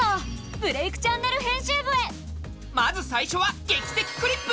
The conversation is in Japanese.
まず最初は「劇的クリップ」！